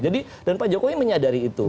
jadi dan pak jokowi menyadari itu